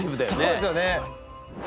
そうですよね。